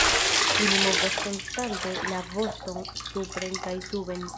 Ili movas konstante la voston supren kaj suben.